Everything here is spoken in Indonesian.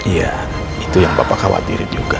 iya itu yang bapak khawatirin juga